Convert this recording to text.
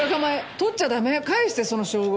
取っちゃダメ返してその称号。